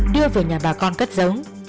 đưa về nhà bà con cất giống